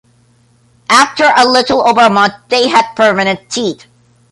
After a little over a month they had permanent teeth.